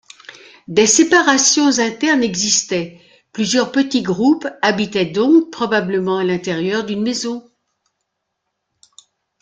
Des séparations internes existaient, plusieurs petits groupes habitaient donc probablement à l´intérieur d´une maison.